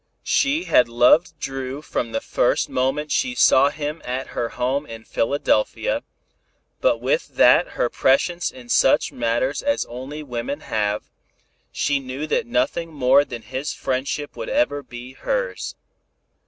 She had loved Dru from the moment she first saw him at her home in Philadelphia, but with that her prescience in such matters as only women have, she knew that nothing more than his friendship would ever be hers.